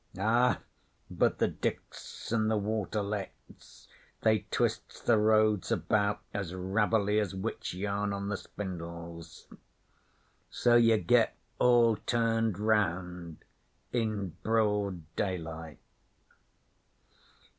Ah, but the diks an' the water lets, they twists the roads about as ravelly as witch yarn on the spindles. So ye get all turned round in broad daylight.'